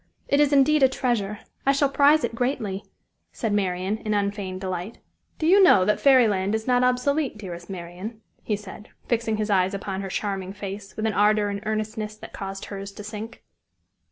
It is indeed a treasure. I shall prize it greatly," said Marian, in unfeigned delight. "Do you know that Fairy Land is not obsolete, dearest Marian?" he said, fixing his eyes upon her charming face with an ardor and earnestness that caused hers to sink.